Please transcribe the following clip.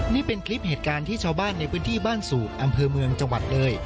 นี่เป็นคลิปเหตุการณ์ที่ชาวบ้านในพื้นที่บ้านสูบอำเภอเมืองจังหวัดเลย